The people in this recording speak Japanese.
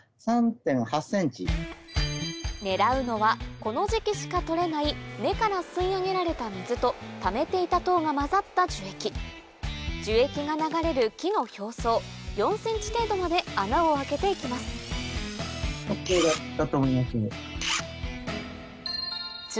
狙うのはこの時期しか採れない根から吸い上げられた水とためていた糖が混ざった樹液樹液が流れる木の表層４ｃｍ程度まで穴を開けて行きますなるほど。